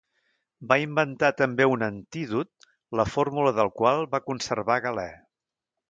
Va inventar també un antídot la fórmula del qual va conservar Galè.